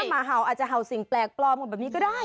หมาเห่าอาจจะเห่าสิ่งแปลกปลอมกันแบบนี้ก็ได้